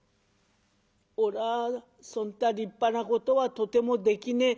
「おらそんた立派なことはとてもできねえ」。